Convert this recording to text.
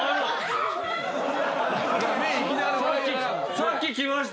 「さっき来ました」